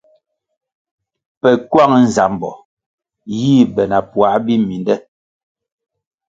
Pe ke kywang nzambo yih be na puãh biminde.